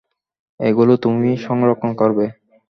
এগুলো তুমি সংরক্ষণ করবে।